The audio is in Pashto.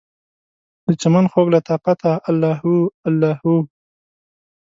دچمن خوږ لطافته، الله هو الله هو